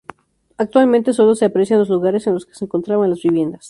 Actualmente sólo se aprecian los lugares en los que se encontraban las viviendas.